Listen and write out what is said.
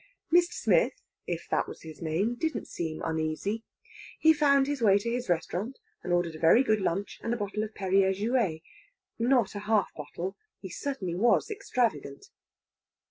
Mr. Smith, if that was his name, didn't seem uneasy. He found his way to his restaurant and ordered a very good lunch and a bottle of Perrier Jouet not a half bottle; he certainly was extravagant.